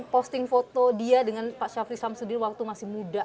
posting foto dia dengan pak syafri samsudin waktu masih muda